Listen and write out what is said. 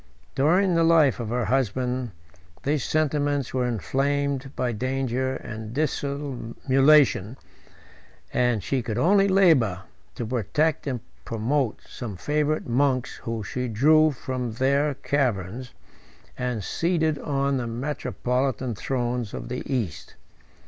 During the life of her husband, these sentiments were inflamed by danger and dissimulation, and she could only labor to protect and promote some favorite monks whom she drew from their caverns, and seated on the metropolitan thrones of the East.